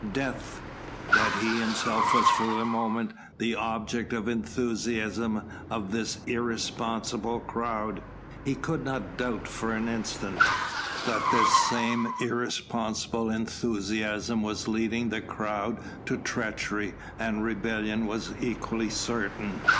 Death!" That he himself was for the moment the object of enthusiasm of this irresponsible crowd, he could not doubt for an instant. That this same irresponsible enthusiasm was leading the crowd to treachery and rebellion was equally certain.